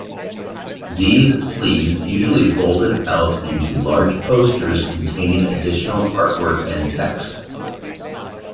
These sleeves usually folded out into large posters containing additional artwork and text.